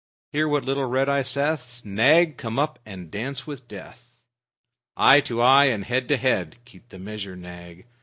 Hear what little Red Eye saith: "Nag, come up and dance with death!" Eye to eye and head to head, (Keep the measure, Nag.)